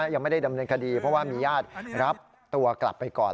ยังไม่ได้ดำเนินคดีเพราะว่ามีญาติรับตัวกลับไปก่อน